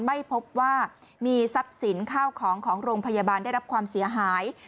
ไม่พบว่ามีทรัพย์สินข้าวของของโรงพยาบาลได้รับความเสียหาย